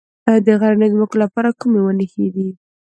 د غرنیو ځمکو لپاره کومې ونې ښې دي؟